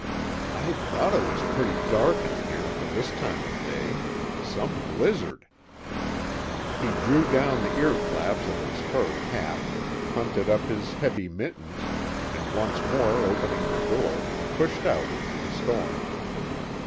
"I thought it was pretty dark in here for this time of day some blizzard!" He drew down the ear flaps of his fur cap, hunted up his heavy mittens, and once more opening the door, pushed out into the storm.